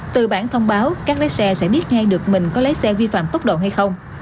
từ bản thông báo các lái xe sẽ biết ngay được mình có lái xe vi phạm tốc độ hay không